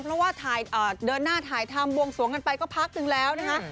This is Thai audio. เพราะว่าเดินหน้าถ่ายทำบวงสวงกันไปก็พักนึงแล้วนะคะ